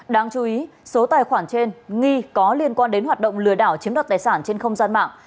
đáng chú ý số tài khoản trên nghi có liên quan đến hoạt động lừa đảo chiếm đoạt tài sản trên không gian mạng